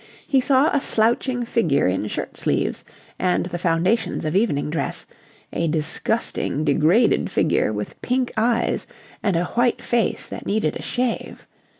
He saw a slouching figure in shirt sleeves and the foundations of evening dress, a disgusting, degraded figure with pink eyes and a white face that needed a shave.